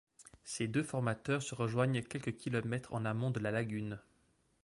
Ces deux formateurs se rejoignent quelques kilomètres en amont de la lagune.